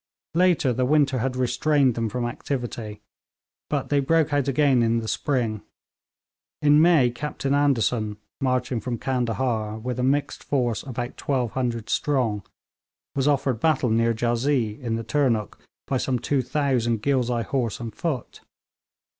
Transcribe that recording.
Later, the winter had restrained them from activity, but they broke out again in the spring. In May Captain Anderson, marching from Candahar with a mixed force about 1200 strong, was offered battle near Jazee, in the Turnuk, by some 2000 Ghilzai horse and foot.